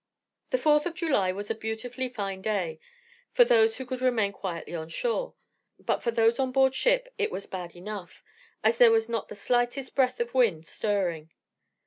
The 4th of July was a beautifully fine day, for those who could remain quietly on shore; but for those on board ship it was bad enough, as there was not the slightest breath of wind stirring.